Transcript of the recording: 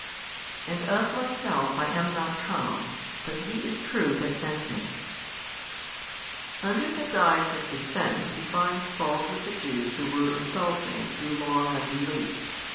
And of Myself I am not come, but He is true That sent Me. Under the guise of defence He finds fault with the Jews who were insulting through long unbelief.